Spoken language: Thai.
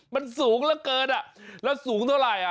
มันสูงเหลือเกินแล้วสูงเท่าไหร่